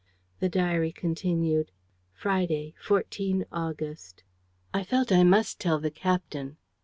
The diary continued: "Friday, 14 August. "I felt I must tell the captain.